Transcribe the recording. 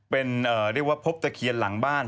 เป็นเรียกว่าพบตะเคียนหลังบ้าน